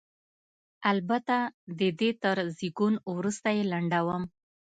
البته د دې تر زېږون وروسته یې لنډوم.